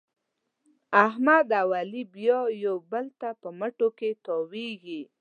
احمد او علي بیا یو بل ته په مټو کې تاوېږي.